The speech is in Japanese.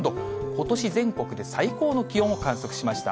ことし全国で最高の気温を観測しました。